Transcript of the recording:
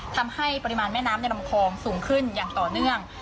ทำให้ปริมาณแม่น้ำในลำคลองสูงขึ้นอย่างต่อเนื่อง